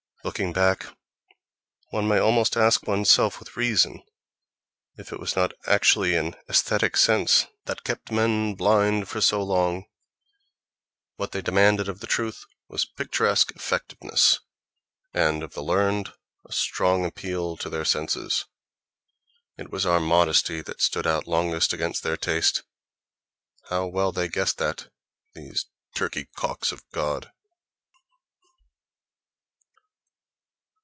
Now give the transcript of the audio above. —Looking back, one may almost ask one's self with reason if it was not actually an aesthetic sense that kept men blind so long: what they demanded of the truth was picturesque effectiveness, and of the learned a strong appeal to their senses. It was our modesty that stood out longest against their taste.... How well they guessed that, these turkey cocks of God!